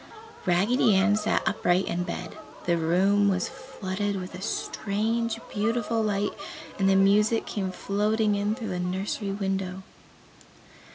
Raggedy Ann sat upright in bed. The room was flooded with a strange, beautiful light and the music came floating in through the nursery window.